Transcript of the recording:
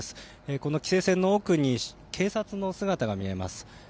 この規制線の奥に警察の姿が見えます。